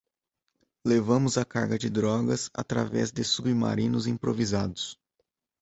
Levamos a carga de drogas através de submarinos improvisados